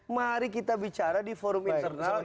mari kita bicara di forum internal